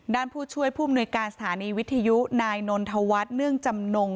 ผู้ช่วยผู้มนุยการสถานีวิทยุนายนนทวัฒน์เนื่องจำนง